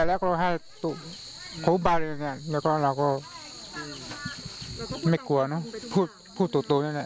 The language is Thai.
แล้วก็